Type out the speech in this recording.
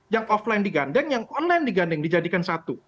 yang offline digandeng yang online digandeng dijadikan satu